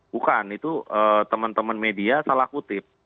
bukan itu teman teman media salah kutip